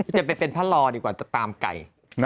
จะไปเป็นพระรอดีกว่าจะตามไก่